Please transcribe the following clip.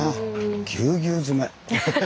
ぎゅうぎゅう詰め。